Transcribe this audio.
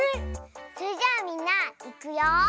それじゃあみんないくよ。